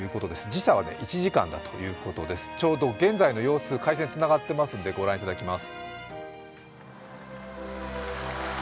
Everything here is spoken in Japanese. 時差は１時間だということです、ちょうど現在の様子、回線がつながっていますのでご覧いただきます。